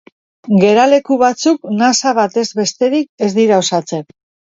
Geraleku batzuk nasa batez besterik ez dira osatzen.